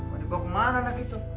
mau dibawa kemana anak itu